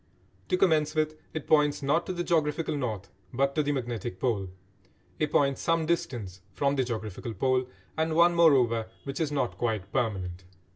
To commence with, it points, not to the geographical north, but to the "magnetic pole," a point some distance from the geographical pole, and one, moreover, which is not quite permanent.